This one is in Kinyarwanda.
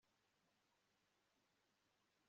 munana na mukankusi barahozagaye